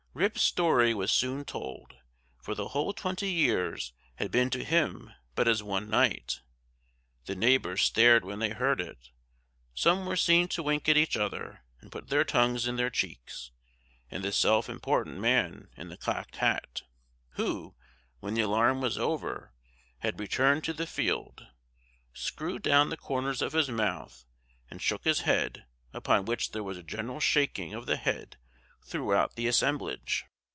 Rip's story was soon told, for the whole twenty years had been to him but as one night. The neighbors stared when they heard it; some were seen to wink at each other, and put their tongues in their cheeks; and the self important man in the cocked hat, who, when the alarm was over, had returned to the field, screwed down the corners of his mouth, and shook his head upon which there was a general shaking of the head throughout the assemblage.